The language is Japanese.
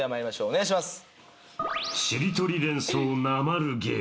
お願いします。